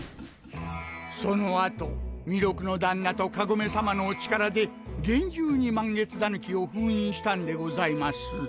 そのあと弥勒の旦那とかごめさまのお力で厳重に満月狸を封印したんでございます